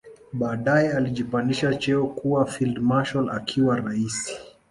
Baadae alijipandisha cheo kua field marshal akiwa raisi